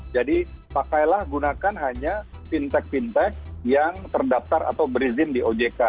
jadi pakailah gunakan hanya fintech fintech yang terdaftar atau berizin di ojk